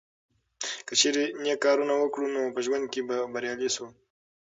که چیرې نیک کارونه وکړو نو په ژوند کې به بریالي شو.